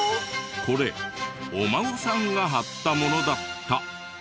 これお孫さんが貼ったものだった。